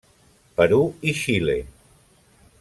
Perú i Xile.